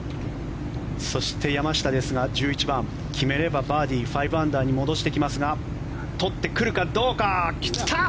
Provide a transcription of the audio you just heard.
そして山下ですが１１番決めればバーディー５アンダーに戻してきますが取ってくるかどうか。